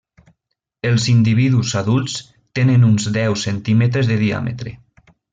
Els individus adults tenen uns deu centímetres de diàmetre.